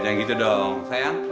eh jangan gitu dong sayang